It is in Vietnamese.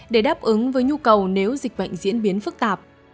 để đáp ứng với nhu cầu nếu dịch bệnh diễn biến phức tạp